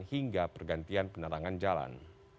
hingga pergantian penerangan jalan